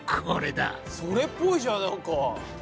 それっぽいじゃんなんか。